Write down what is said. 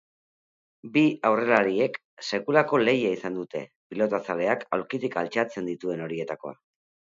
Bi aurrelariek sekulako lehia izan dute, pilotazaleak aulkitik altxatzen dituen horietakoa.